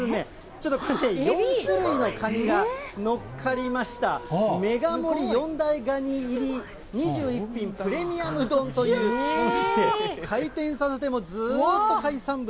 ちょっとこれ、４種類のカニがのっかりました、メガ盛り四大ガニ入り２１品プレミアム丼というおすしで、回転させてもずーっと海産物。